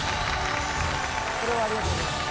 これはありがとうございます。